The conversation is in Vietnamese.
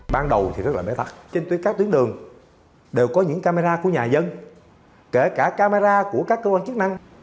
ban đầu thì rất là bế tắc trên các tuyến đường đều có những camera của nhà dân kể cả camera của các cơ quan chức năng